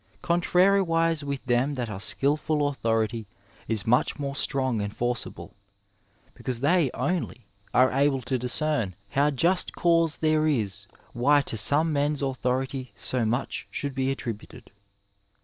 Contrariwise with them that are skilful authority is much more strong and forcible ; because they only are able to discern how just cause there is why to some men's authority so much should be attributed.